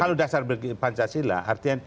kalau dasar pancasila artinya